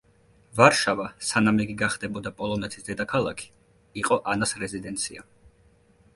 ვარშავა, სანამ იგი გახდებოდა პოლონეთის დედაქალაქი, იყო ანას რეზიდენცია.